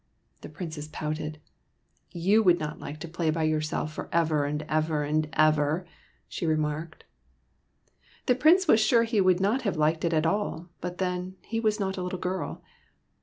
The Princess pouted. " Vou would not like to play by yourself for ever and ever and ever," she remarked. The Prince was sure he would not have liked it at all, but then, he was not a little girl.